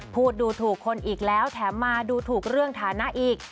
พูดดูถูกคนอีกแล้วแถมมาดูถูกเรื่องฐานะอีก